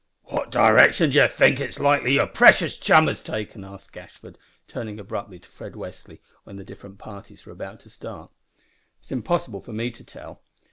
"What direction d'ye think it's likely your precious chum has taken?" asked Gashford, turning abruptly to Fred Westly when the different parties were about to start. "It is impossible for me to tell."